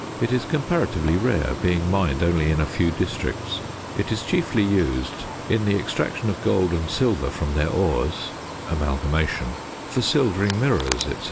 It is comparatively rare, being mined for only in a few districts. It is chiefly used in the extraction of gold and silver from their ores (amalgamation); for silvering mirrors, &c.